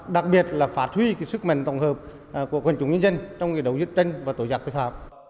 đặc biệt là phá thuy sức mạnh tổng hợp của quân chủ nhân dân trong đấu chiến tranh và tổ dạc cơ sở